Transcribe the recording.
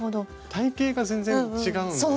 体型が全然違うんでね。